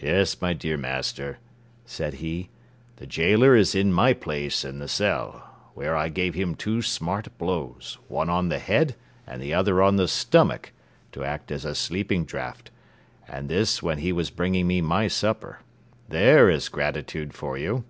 "Yes, my dear master," said he, "the gaoler is in my place in the cell, where I gave him two smart blows, one on the head and the other on the stomach, to act as a sleeping draught, and this when he was bringing me my supper; there is gratitude for you.